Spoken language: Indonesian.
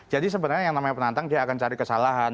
jadi sebenarnya yang namanya penantang dia akan cari kesalahan